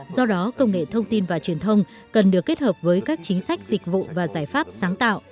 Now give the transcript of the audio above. do đó công nghệ thông tin và truyền thông cần được kết hợp với các chính sách dịch vụ và giải pháp sáng tạo